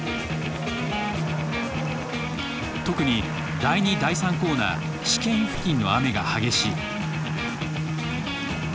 特に第２第３コーナーシケイン付近の雨が激しい。